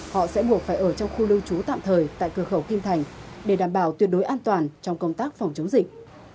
họ sẽ buộc phải ở trong khu lưu trú tạm thời tại cửa khẩu kim thành để đảm bảo tuyệt đối an toàn trong công tác phòng chống dịch